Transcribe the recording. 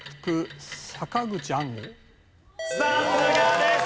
さすがです！